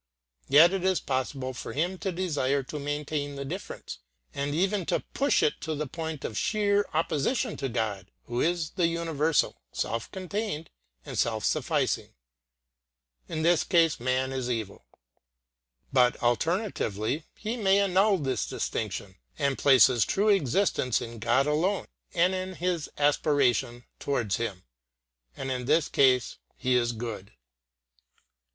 Yet it is possible for him to desire to maintain the difference and even to push it to the point of sheer opposition to God, who is the universal, self contained and self sufficing. In this case man is evil. But, alternatively, he may annul this distinction and place his true existence in God alone and in his aspiration towards Him; and in this case he is good.